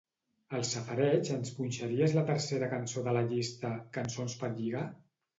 Al safareig ens punxaries la tercera cançó de la llista "cançons per lligar"?